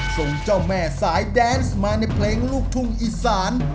ส่งเจ้าแม่สายแดนส์มาในเพลงลูกทุ่งอีสาน